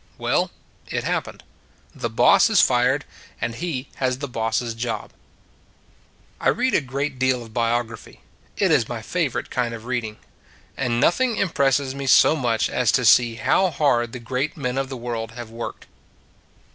Well, it happened. The boss is fired: and he has the boss s job. I read a great deal of biography: it is my favorite kind of reading. And noth ing impresses me so much as to see how hard the great men of the world have worked.